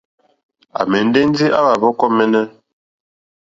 À mɛ̀ndɛ́ ndí áwà hwɔ́kɔ́ !mɛ́ɛ́nɛ́.